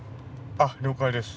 あっ了解です。